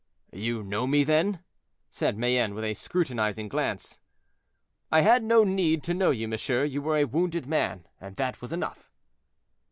"You know me, then?" said Mayenne, with a scrutinizing glance. "I had no need to know you, monsieur; you were a wounded man, that was enough."